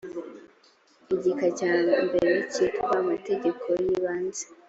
igika cya mbere cyitwa amategeko y ibanze